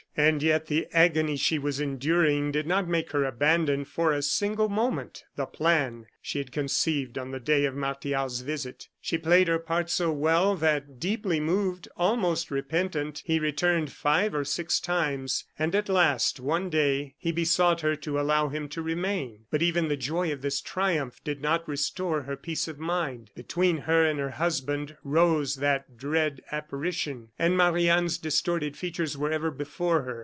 And yet, the agony she was enduring did not make her abandon, for a single moment, the plan she had conceived on the day of Martial's visit. She played her part so well, that, deeply moved, almost repentant, he returned five or six times, and at last, one day, he besought her to allow him to remain. But even the joy of this triumph did not restore her peace of mind. Between her and her husband rose that dread apparition; and Marie Anne's distorted features were ever before her.